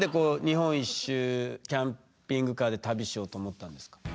日本一周キャンピングカーで旅しようと思ったんですか？